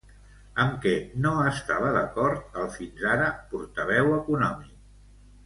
Amb què no estava d'acord el fins ara portaveu econòmic?